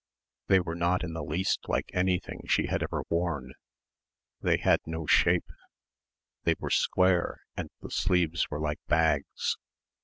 They were not in the least like anything she had ever worn. They had no shape. They were square and the sleeves were like bags.